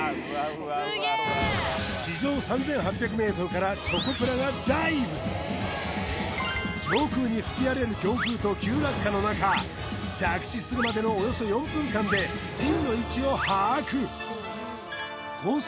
神業チョコプラが上空に吹き荒れる強風と急落下の中着地するまでのおよそ４分間でピンの位置を把握コース